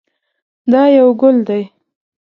دا یو ګل دی.